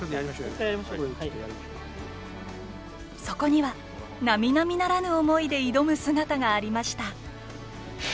そこにはなみなみならぬ思いで挑む姿がありました。